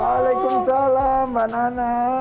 waalaikumsalam mbak nana